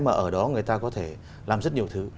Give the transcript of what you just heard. mà ở đó người ta có thể làm rất nhiều thứ